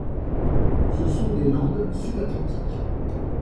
Ce sont des landes sub-atlantiques.